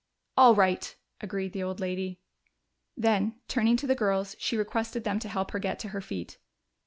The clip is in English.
"All right," agreed the old lady. Then, turning to the girls, she requested them to help her get to her feet.